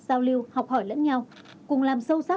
giao lưu học hỏi lẫn nhau cùng làm sâu sắc